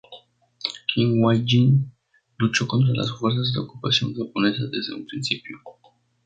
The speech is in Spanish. Kim Jwa-jin luchó contra las fuerzas de ocupación japonesas desde un principio.